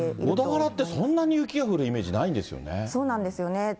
小田原ってそんなに雪が降るイメージないんですよね。